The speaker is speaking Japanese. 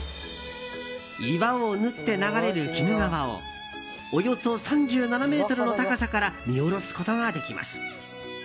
岩を縫って流れる鬼怒川をおよそ３７ｍの高さから見下ろすことができます。